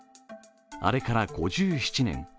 あれから５７年。